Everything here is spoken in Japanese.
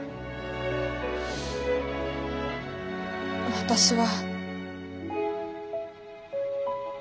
私は。